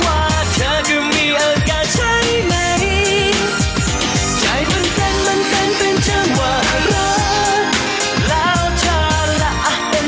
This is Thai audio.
มาเล่นในใจฉันเป็นแบบนี้